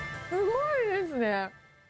すごいですね。